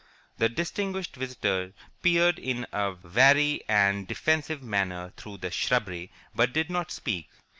The distinguished visitor peered in a wary and defensive manner through the shrubbery, but did not speak.